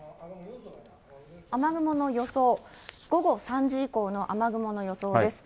雨雲の予想、午後３時以降の雨雲の予想です。